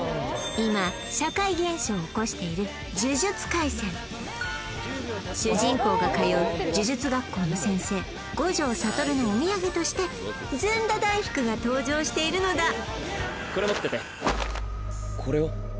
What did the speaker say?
今社会現象を起こしている「呪術廻戦」主人公が通う呪術学校の先生五条悟のお土産としてずんだ大福が登場しているのだこれ持っててこれは？